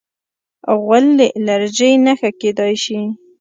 غول د الرجۍ نښه کېدای شي.